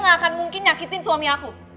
gak akan mungkin nyakitin suami aku